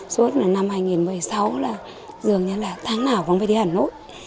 suốt là năm hai nghìn một mươi sáu là dường như là tháng nào cũng phải đi hà nội